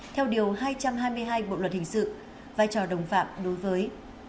theo điều hai trăm hai mươi hai bộ luật hình sự vai trò đồng phạm đối với